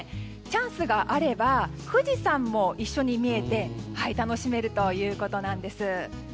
チャンスがあれば富士山も一緒に見えて楽しめるということなんです。